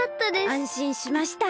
あんしんしました。